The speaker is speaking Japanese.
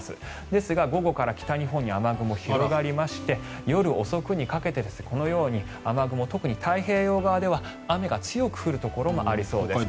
ですが午後から北日本に雨雲が広がりまして夜遅くにかけてこのように雨雲特に太平洋側では雨が強く降るところもありそうです。